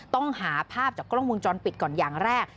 ต้องหาภาพจากกล้องวงจรปิดก่อนอย่างแรก